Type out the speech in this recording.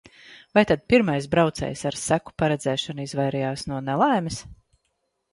Vai tad pirmais braucējs ar seku paredzēšanu izvairījās no nelaimes?